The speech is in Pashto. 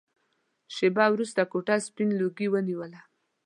شېبه وروسته کوټه سپين لوګي ونيوله.